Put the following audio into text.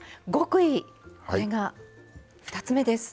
これが２つ目です。